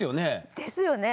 ですよね。